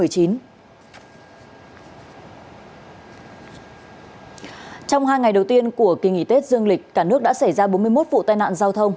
trong hai ngày đầu tiên của kỳ nghỉ tết dương lịch cả nước đã xảy ra bốn mươi một vụ tai nạn giao thông